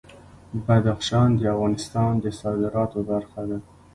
بدخشان د افغانستان د صادراتو برخه ده.